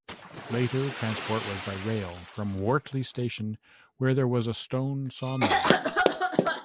Later transport was by rail from Wortley Station, where there was a stone sawmill.